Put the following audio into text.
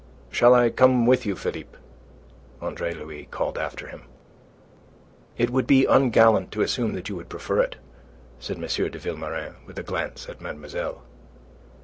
"Shall I come with you, Philippe?" Andre Louis called after him. "It would be ungallant to assume that you would prefer it," said M. de Vilmorin, with a glance at mademoiselle.